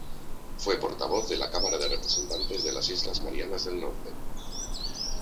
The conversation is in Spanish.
Fue portavoz de la Cámara de Representantes de las Islas Marianas del Norte.